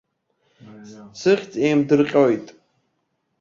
Сыхьӡ еимдырҟьоит.